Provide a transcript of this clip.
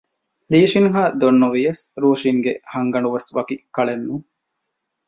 ލީ ޝިން ހާ ދޮން ނުވިޔަސް ރޫޝިންގެ ހަންގަ ނޑުވެސް ވަކި ކަޅެއް ނޫން